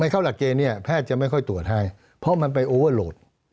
เข้าหลักเกณฑ์เนี่ยแพทย์จะไม่ค่อยตรวจให้เพราะมันไปโอเวอร์โหลด